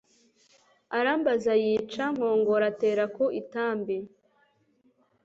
Arambaza yica Nkongoro Atera ku Itambi